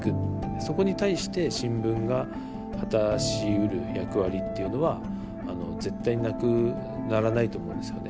そこに対して新聞が果たしうる役割っていうのは絶対なくならないと思うんですよね。